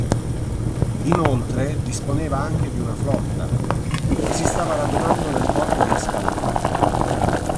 Inoltre disponeva anche di una flotta, che si stava radunando nel porto di Ascalona.